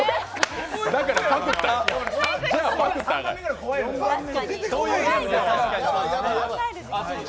だからパクったんや。